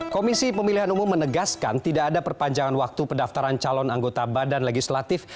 komisi pemilihan umum menegaskan tidak ada perpanjangan waktu pendaftaran calon anggota badan legislatif